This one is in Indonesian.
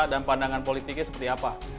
dan pandangan politiknya seperti apa